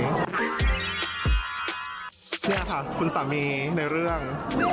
นี่ค่ะคุณสามีในเรื่อง